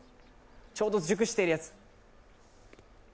ちょうど熟しています。